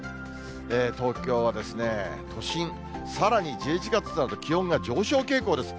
東京は都心、さらに１１月になると気温が上昇傾向です。